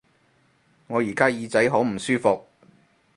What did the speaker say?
我而家耳仔好唔舒服